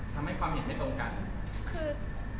ทำให้ความเห็นให้ตรงกัน